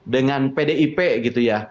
dengan pdip gitu ya